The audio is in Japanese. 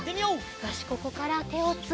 よしここからてをついて。